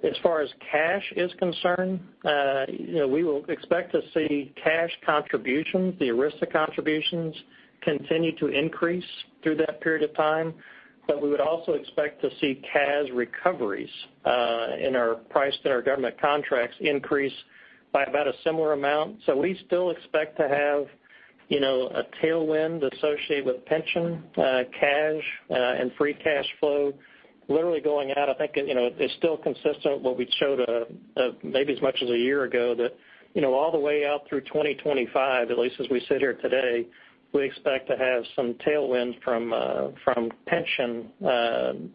As far as cash is concerned, we will expect to see cash contributions, the ERISA contributions, continue to increase through that period of time. We would also expect to see CAS recoveries in our price that our government contracts increase by about a similar amount. We still expect to have a tailwind associated with pension, cash, and free cash flow literally going out. I think, it's still consistent what we showed maybe as much as a year ago that all the way out through 2025, at least as we sit here today, we expect to have some tailwind from pension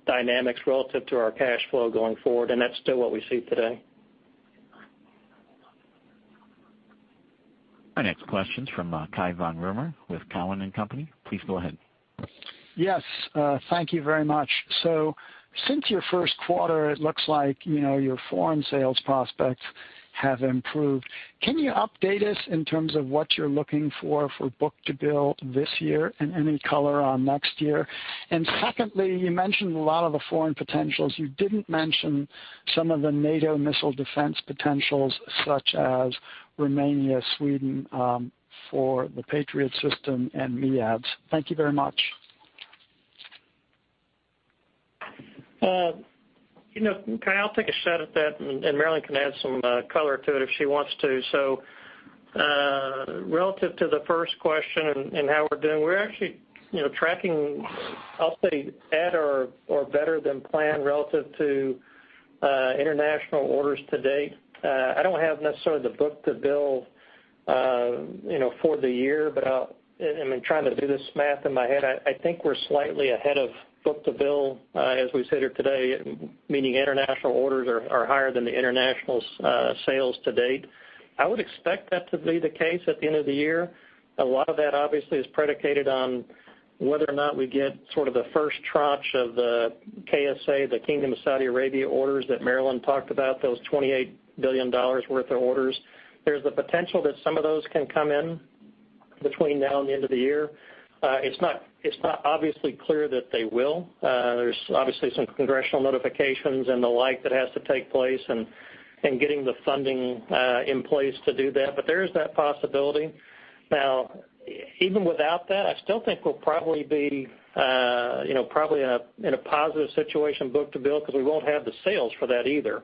dynamics relative to our cash flow going forward. That's still what we see today. Our next question's from Cai von Rumohr with Cowen and Company. Please go ahead. Yes. Thank you very much. Since your first quarter, it looks like your foreign sales prospects have improved. Can you update us in terms of what you're looking for book-to-bill this year and any color on next year? Secondly, you mentioned a lot of the foreign potentials. You didn't mention some of the NATO missile defense potentials such as Romania, Sweden, for the Patriot system and MEADS. Thank you very much. Cai, I'll take a shot at that, and Marillyn can add some color to it if she wants to. Relative to the first question and how we're doing, we're actually tracking, I'll say, at or better than planned relative to international orders to date. I don't have necessarily the book-to-bill for the year, but I've been trying to do this math in my head. I think we're slightly ahead of book-to-bill as we sit here today, meaning international orders are higher than the international sales to date. I would expect that to be the case at the end of the year. A lot of that obviously is predicated on whether or not we get sort of the first tranche of the KSA, the Kingdom of Saudi Arabia orders that Marillyn talked about, those $28 billion worth of orders. There's the potential that some of those can come in between now and the end of the year. It's not obviously clear that they will. There's obviously some congressional notifications and the like that has to take place, and getting the funding in place to do that. There is that possibility. Even without that, I still think we'll probably be in a positive situation book-to-bill because we won't have the sales for that either,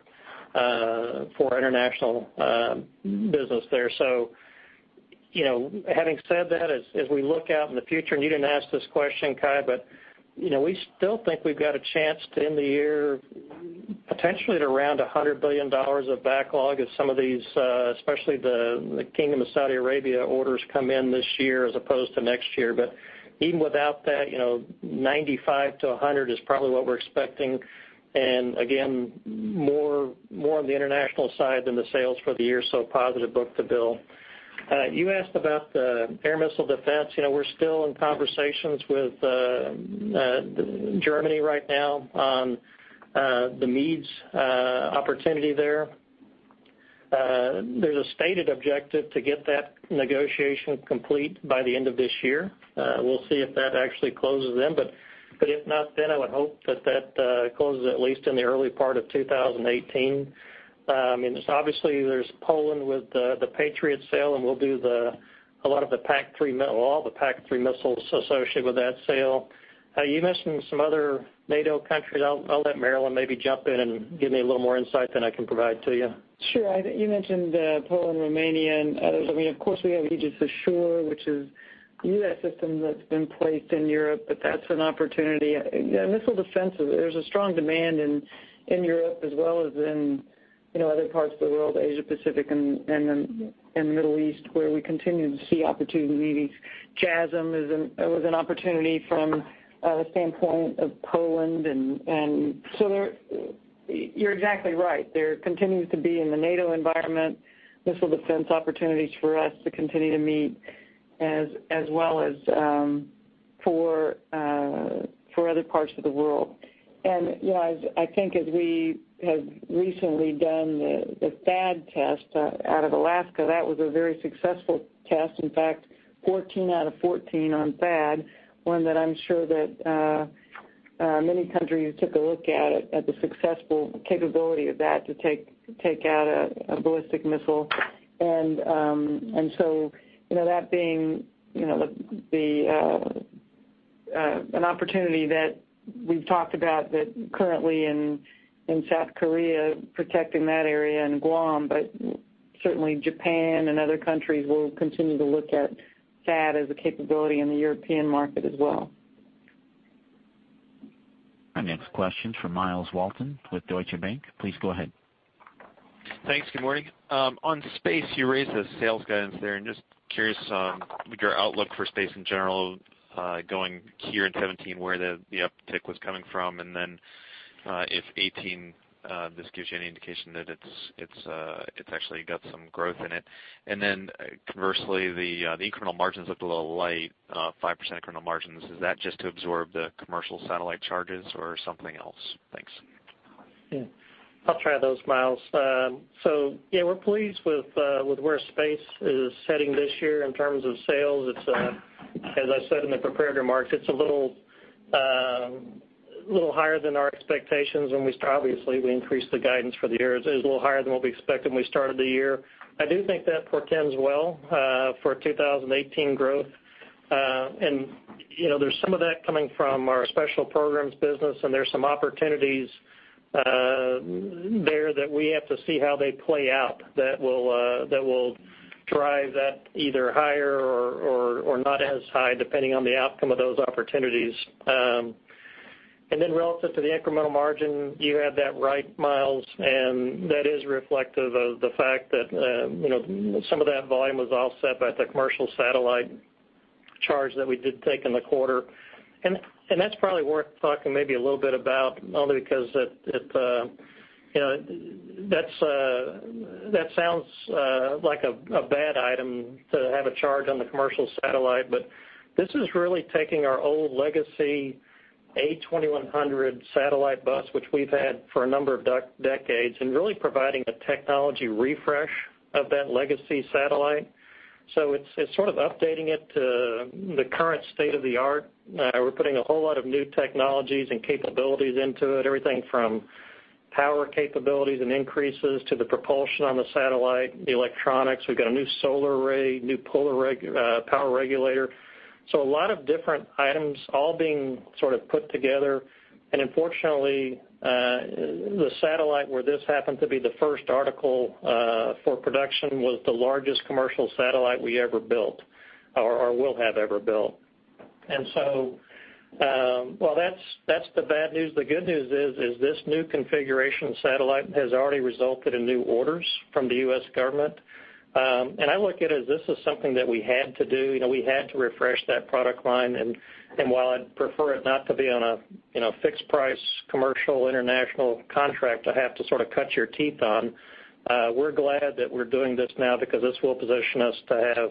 for international business there. Having said that, as we look out in the future, and you didn't ask this question, Cai, but we still think we've got a chance to end the year potentially at around $100 billion of backlog if some of these, especially the Kingdom of Saudi Arabia orders, come in this year as opposed to next year. But even without that, 95 to 100 is probably what we're expecting. Again, more on the international side than the sales for the year, so positive book-to-bill. You asked about the air missile defense. We're still in conversations with Germany right now on the MEADS opportunity there. There's a stated objective to get that negotiation complete by the end of this year. We'll see if that actually closes then. But if not then, I would hope that that closes at least in the early part of 2018. Obviously, there's Poland with the Patriot sale, and we'll do all the PAC-3 missiles associated with that sale. You mentioned some other NATO countries. I'll let Marillyn maybe jump in and give you a little more insight than I can provide to you. Sure. You mentioned Poland, Romania, and others. Of course, we have Aegis Ashore, which is a U.S. system that's been placed in Europe, but that's an opportunity. Missile defense, there's a strong demand in Europe as well as in other parts of the world, Asia-Pacific and Middle East, where we continue to see opportunity MEADS. JASSM was an opportunity from the standpoint of Poland. You're exactly right. There continues to be in the NATO environment, missile defense opportunities for us to continue to meet as well as for other parts of the world. I think as we have recently done the THAAD test out of Alaska, that was a very successful test. In fact, 14 out of 14 on THAAD, one that I'm sure that Many countries took a look at it, at the successful capability of that to take out a ballistic missile. That being an opportunity that we've talked about that currently in South Korea, protecting that area, and Guam. Certainly, Japan and other countries will continue to look at THAAD as a capability in the European market as well. Our next question's from Myles Walton with Deutsche Bank. Please go ahead. Thanks. Good morning. On space, you raised the sales guidance there, just curious your outlook for space in general, going here in 2017, where the uptick was coming from, then if 2018, this gives you any indication that it's actually got some growth in it. Conversely, the incremental margins looked a little light, 5% incremental margins. Is that just to absorb the commercial satellite charges or something else? Thanks. Yeah. I'll try those, Myles. Yeah, we're pleased with where space is heading this year in terms of sales. As I said in the prepared remarks, it's a little higher than our expectations. Obviously, we increased the guidance for the year. It was a little higher than what we expected when we started the year. I do think that portends well for 2018 growth. There's some of that coming from our special programs business, there's some opportunities there that we have to see how they play out that will drive that either higher or not as high, depending on the outcome of those opportunities. Then relative to the incremental margin, you have that right, Myles, that is reflective of the fact that some of that volume was offset by the commercial satellite charge that we did take in the quarter. That's probably worth talking maybe a little bit about, only because that sounds like a bad item to have a charge on the commercial satellite. This is really taking our old legacy A2100 satellite bus, which we've had for a number of decades, and really providing a technology refresh of that legacy satellite. It's sort of updating it to the current state of the art. We're putting a whole lot of new technologies and capabilities into it, everything from power capabilities and increases to the propulsion on the satellite, the electronics. We've got a new solar array, new power regulator. A lot of different items all being sort of put together. Unfortunately, the satellite where this happened to be the first article for production was the largest commercial satellite we ever built, or will have ever built. Well, that's the bad news. The good news is this new configuration satellite has already resulted in new orders from the U.S. government. I look at it as this is something that we had to do. We had to refresh that product line. While I'd prefer it not to be on a fixed price commercial international contract to have to sort of cut your teeth on, we're glad that we're doing this now because this will position us to have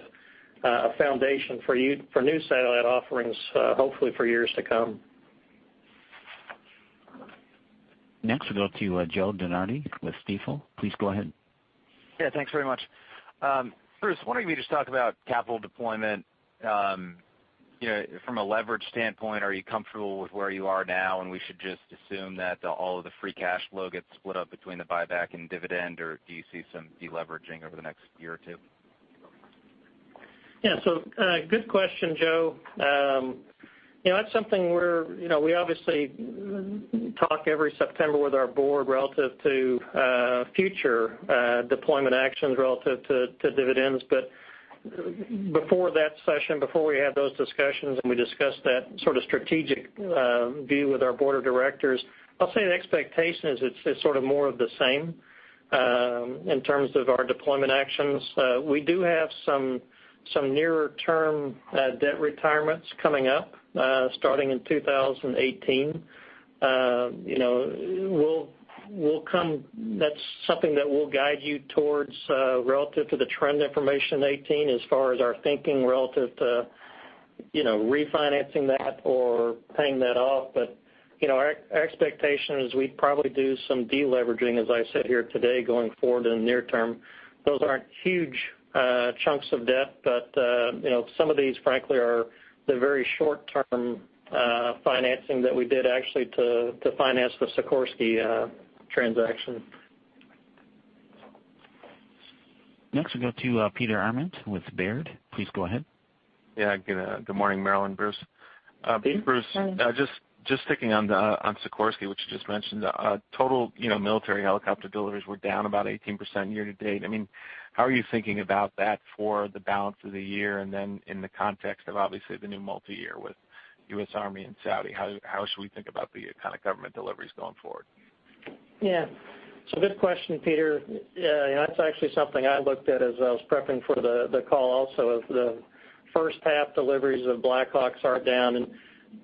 a foundation for new satellite offerings, hopefully for years to come. Next, we'll go to Joseph DeNardi with Stifel. Please go ahead. Yeah, thanks very much. Bruce, wondering if you could just talk about capital deployment. From a leverage standpoint, are you comfortable with where you are now, and we should just assume that all of the free cash flow gets split up between the buyback and dividend, or do you see some de-leveraging over the next year or two? Yeah. Good question, Joe. That's something we obviously talk every September with our board relative to future deployment actions relative to dividends. Before that session, before we have those discussions, and we discuss that sort of strategic view with our board of directors, I'll say the expectation is it's sort of more of the same in terms of our deployment actions. We do have some nearer-term debt retirements coming up, starting in 2018. That's something that we'll guide you towards relative to the trend information in 2018 as far as our thinking relative to refinancing that or paying that off. Our expectation is we'd probably do some de-leveraging, as I said here today, going forward in the near term. Those aren't huge chunks of debt, but some of these, frankly, are the very short-term financing that we did actually to finance the Sikorsky transaction. Next, we'll go to Peter Arment with Baird. Please go ahead. Yeah. Good morning, Marillyn, Bruce. Hey, Peter. Bruce, just sticking on Sikorsky, which you just mentioned. Total military helicopter deliveries were down about 18% year-to-date. How are you thinking about that for the balance of the year, and then in the context of obviously the new multi-year with U.S. Army and Saudi, how should we think about the kind of government deliveries going forward? Yeah. Good question, Peter. That's actually something I looked at as I was prepping for the call also, is the first half deliveries of Black Hawks are down.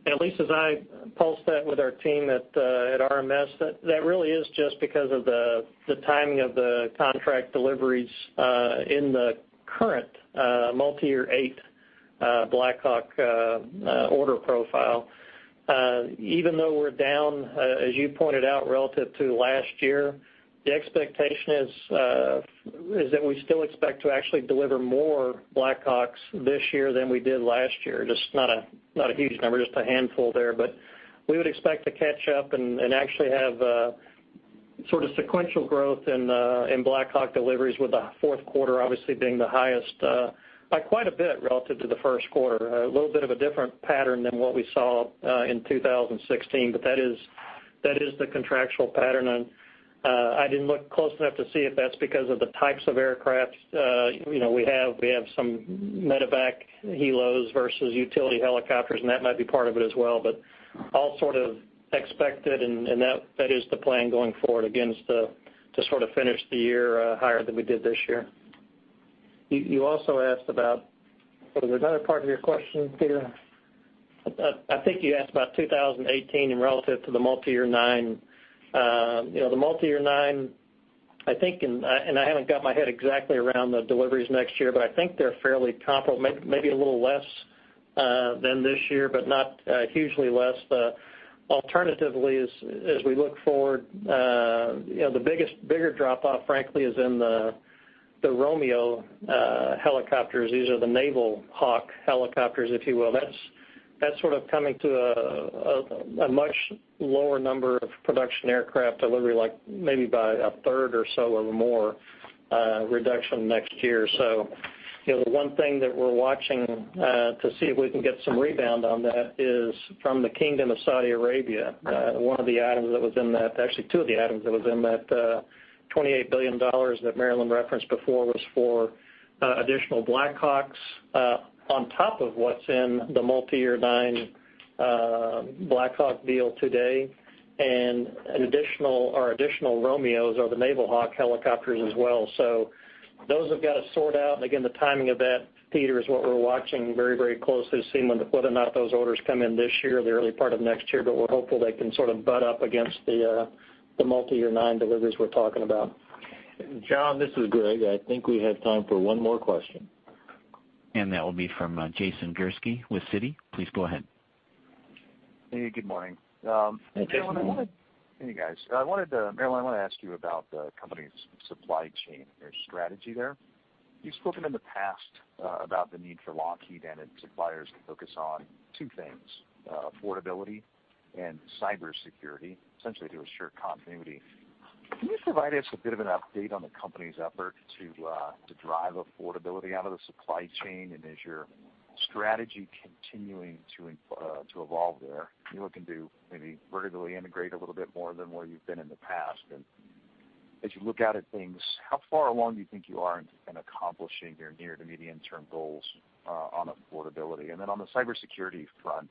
At least as I pulsed that with our team at RMS, that really is just because of the timing of the contract deliveries in the current Multi-Year VIII Black Hawk order profile. Even though we're down, as you pointed out, relative to last year, the expectation is that we still expect to actually deliver more Black Hawks this year than we did last year. Just not a huge number, just a handful there. We would expect to catch up and actually have sort of sequential growth in Black Hawk deliveries with the fourth quarter obviously being the highest by quite a bit relative to the first quarter. A little bit of a different pattern than what we saw in 2016, but that is the contractual pattern. I didn't look close enough to see if that's because of the types of aircraft. We have some medevac helos versus utility helicopters, and that might be part of it as well, but all sort of expected, and that is the plan going forward, again, is to sort of finish the year higher than we did this year. You also asked about what was another part of your question, Peter? I think you asked about 2018 and relative to the Multi-Year IX. The Multi-Year IX, I think, I haven't got my head exactly around the deliveries next year, but I think they're fairly comparable. Maybe a little less than this year, but not hugely less. Alternatively, as we look forward, the bigger drop-off, frankly, is in the Romeo helicopters. These are the Naval Hawk helicopters, if you will. That's sort of coming to a much lower number of production aircraft delivery, maybe by a third or so of a more reduction next year. The one thing that we're watching to see if we can get some rebound on that is from the Kingdom of Saudi Arabia. One of the items that was in that, actually two of the items that was in that $28 billion that Marillyn referenced before was for additional Black Hawks on top of what's in the Multi-Year IX Black Hawk deal today, and additional Romeos or the Naval Hawk helicopters as well. Those have got to sort out, again, the timing of that, Peter, is what we're watching very closely, seeing whether or not those orders come in this year, the early part of next year, we're hopeful they can sort of butt up against the Multi-Year IX deliveries we're talking about. John, this is Greg. I think we have time for one more question. That will be from Jason Gursky with Citi. Please go ahead. Hey, good morning. Hey, Jason. Hey, guys. Marillyn, I wanted to ask you about the company's supply chain, your strategy there. You've spoken in the past about the need for Lockheed and its suppliers to focus on two things, affordability and cybersecurity, essentially to assure continuity. Can you provide us a bit of an update on the company's effort to drive affordability out of the supply chain? Is your strategy continuing to evolve there? Are you looking to maybe vertically integrate a little bit more than where you've been in the past? As you look out at things, how far along do you think you are in accomplishing your near to medium-term goals on affordability? On the cyber security front,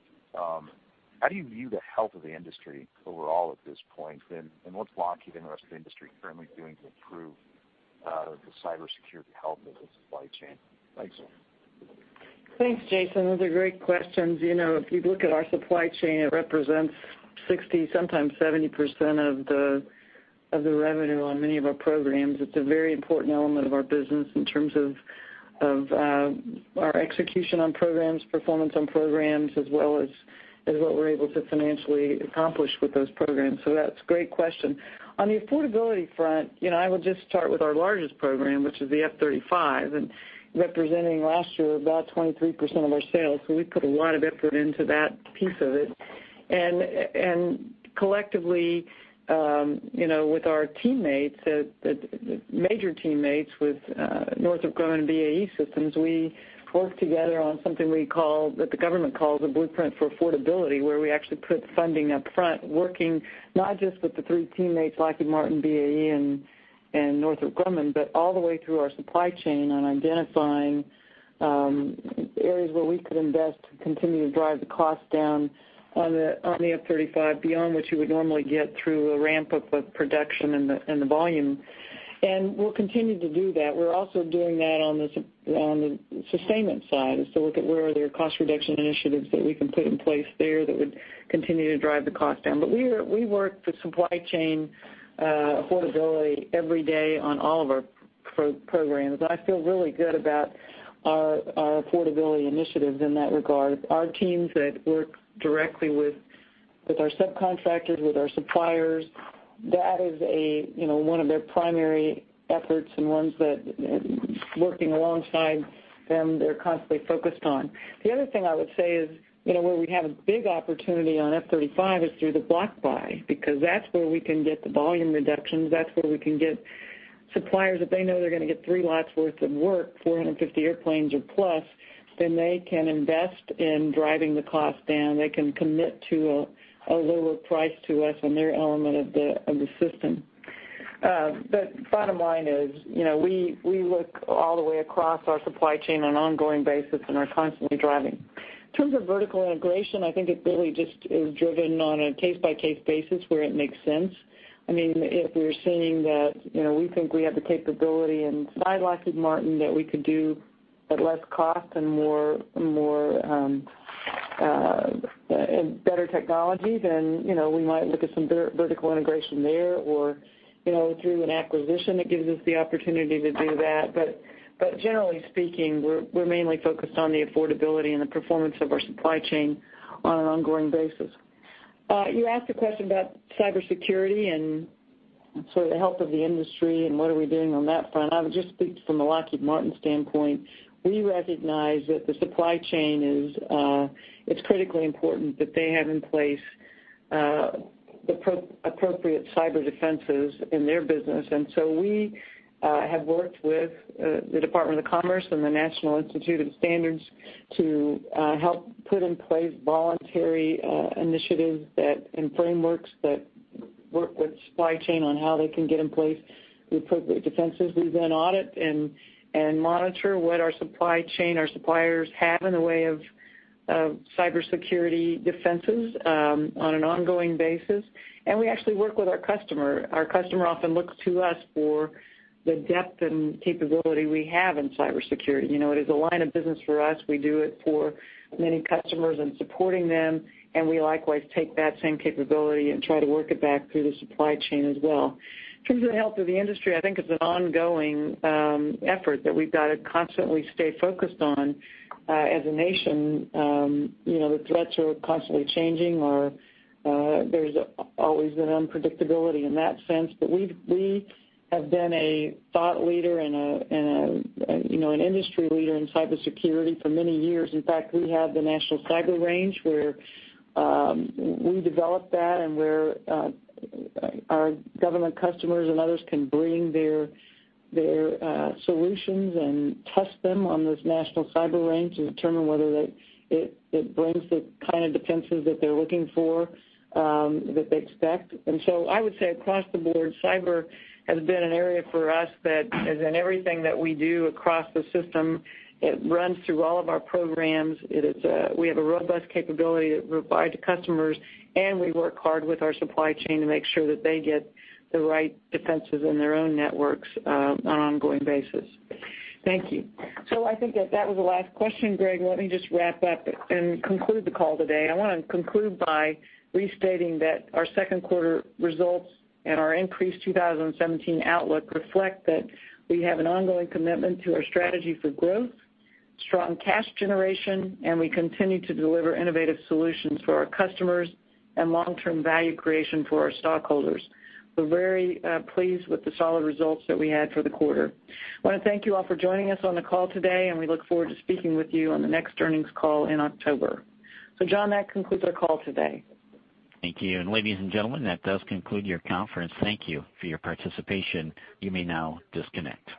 how do you view the health of the industry overall at this point, and what's Lockheed and the rest of the industry currently doing to improve the cyber security health of the supply chain? Thanks. Thanks, Jason. Those are great questions. If you look at our supply chain, it represents 60%, sometimes 70% of the revenue on many of our programs. It's a very important element of our business in terms of our execution on programs, performance on programs, as well as what we're able to financially accomplish with those programs. That's a great question. On the affordability front, I will just start with our largest program, which is the F-35 and representing last year, about 23% of our sales, we put a lot of effort into that piece of it. Collectively, with our major teammates with Northrop Grumman and BAE Systems, we work together on something that the government calls a blueprint for affordability, where we actually put funding up front, working not just with the three teammates, Lockheed Martin, BAE, and Northrop Grumman, but all the way through our supply chain on identifying areas where we could invest to continue to drive the cost down on the F-35, beyond what you would normally get through a ramp-up of production and the volume. We'll continue to do that. We're also doing that on the sustainment side as to look at where are there cost reduction initiatives that we can put in place there that would continue to drive the cost down. We work with supply chain affordability every day on all of our programs. I feel really good about our affordability initiatives in that regard. Our teams that work directly with our subcontractors, with our suppliers, that is one of their primary efforts and ones that, working alongside them, they're constantly focused on. The other thing I would say is where we have a big opportunity on F-35 is through the block buy, because that's where we can get the volume reductions. That's where we can get suppliers. If they know they're going to get 3 lots worth of work, 450 airplanes or plus, then they can invest in driving the cost down. They can commit to a lower price to us on their element of the system. Bottom line is, we look all the way across our supply chain on an ongoing basis and are constantly driving. In terms of vertical integration, I think it really just is driven on a case-by-case basis where it makes sense. If we're seeing that we think we have the capability inside Lockheed Martin that we could do at less cost and better technology, then we might look at some vertical integration there or through an acquisition that gives us the opportunity to do that. Generally speaking, we're mainly focused on the affordability and the performance of our supply chain on an ongoing basis. You asked a question about cybersecurity and sort of the health of the industry and what are we doing on that front. I would just speak from a Lockheed Martin standpoint. We recognize that the supply chain, it's critically important that they have in place the appropriate cyber defenses in their business. We have worked with the Department of Commerce and the National Institute of Standards to help put in place voluntary initiatives and frameworks that work with supply chain on how they can get in place the appropriate defenses. We then audit and monitor what our supply chain, our suppliers have in the way of cybersecurity defenses on an ongoing basis. We actually work with our customer. Our customer often looks to us for the depth and capability we have in cybersecurity. It is a line of business for us. We do it for many customers and supporting them, and we likewise take that same capability and try to work it back through the supply chain as well. In terms of the health of the industry, I think it's an ongoing effort that we've got to constantly stay focused on as a nation. The threats are constantly changing or there's always an unpredictability in that sense. We have been a thought leader and an industry leader in cybersecurity for many years. In fact, we have the National Cyber Range where we developed that and where our government customers and others can bring their solutions and test them on this National Cyber Range to determine whether it brings the kind of defenses that they're looking for, that they expect. I would say across the board, cyber has been an area for us that is in everything that we do across the system. It runs through all of our programs. We have a robust capability that we provide to customers, and we work hard with our supply chain to make sure that they get the right defenses in their own networks on an ongoing basis. Thank you. I think that that was the last question, Greg. Let me just wrap up and conclude the call today. I want to conclude by restating that our second quarter results and our increased 2017 outlook reflect that we have an ongoing commitment to our strategy for growth, strong cash generation, and we continue to deliver innovative solutions for our customers and long-term value creation for our stockholders. We're very pleased with the solid results that we had for the quarter. I want to thank you all for joining us on the call today, and we look forward to speaking with you on the next earnings call in October. John, that concludes our call today. Thank you. Ladies and gentlemen, that does conclude your conference. Thank you for your participation. You may now disconnect.